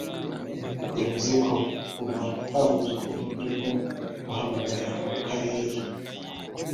yavuze ko kuva hahuzwa uburyo bwo guhamagara mu karere